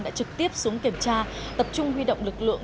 đã trực tiếp xuống kiểm tra tập trung huy động lực lượng